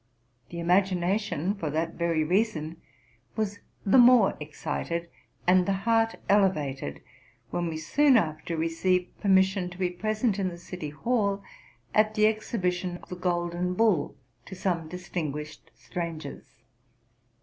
The ima gination, for that very reason, was the more excited and the heart elevated, when we soon after received permission to be present in the city hall, at the exhibition of the Golden Ball to some distinguished strangers.